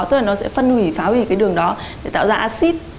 tức là nó sẽ phân hủy phá hủy cái đường đó để tạo ra acid